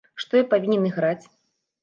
Што я павінен іграць?